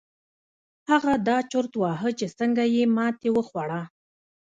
هغه دا چورت واهه چې څنګه يې ماتې وخوړه.